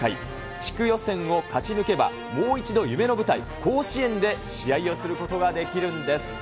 地区予選を勝ち抜けば、もう一度、夢の舞台、甲子園で試合をすることができるんです。